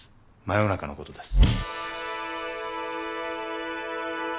真夜中のことです。